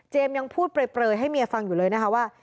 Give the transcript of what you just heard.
ยังพูดเปลยให้เมียฟังอยู่เลยนะคะว่า